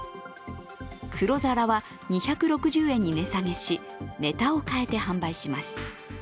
黒皿は２６０円に値下げし、ネタを変えて販売します。